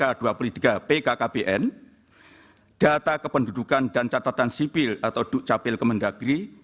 k dua puluh tiga bkkbn data kependudukan dan catatan sipil atau dukcapil kemendagri